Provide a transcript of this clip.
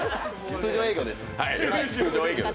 通常営業です。